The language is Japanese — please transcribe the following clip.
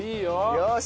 よし。